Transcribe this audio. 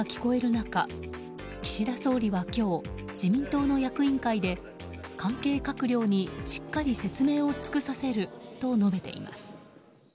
中岸田総理は今日自民党の役員会で関係閣僚にしっかり説明を尽くさせると述べています。